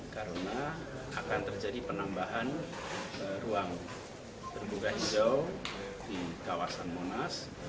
karena akan terjadi penambahan ruang terbuka hijau di kawasan monas